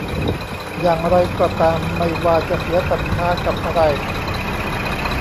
อย่างไรก็ตาม ไม่ว่าจะเสียศรัทธากับอะไร